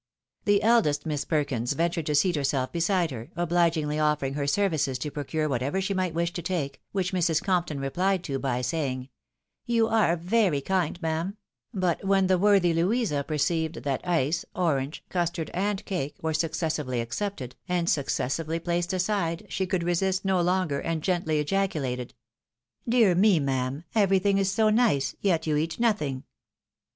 The eldest Miss Perkins ventured to seat herself beside her, obligiugly offering her services to procure whatever she might wish to take, wliich Mrs. Compton replied to, by saying, " You are very kind, ma'am ;" but when the worthy Louisa perceived that ice, orange, custard, and cake, were successively accepted, and suc cessively placed aside, she could resist no longer, and gently ejaculated, "Dear me, ma'am, everything is so nice, yet you eat nothing